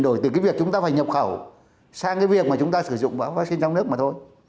đổi từ việc chúng ta phải nhập khẩu sang việc sử dụng các vaccine trong nước mà thôi